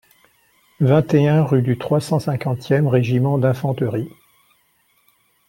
vingt et un rue du trois cent cinquante-cinq e Régiment d'Infanterie